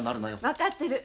分かってる。